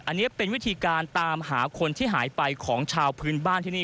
อันนี้เป็นวิธีการตามหาคนที่หายไปของชาวพื้นบ้านที่นี่